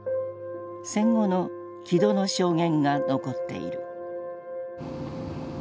戦後の木戸の証言が残っている。